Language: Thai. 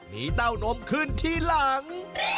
มีเต้านมขึ้นทีหลัง